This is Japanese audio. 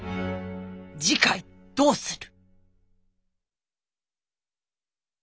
次回どうする。